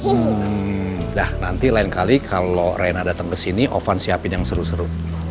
udah nanti lain kali kalo rena datang ke sini alvan siapin yang seru seru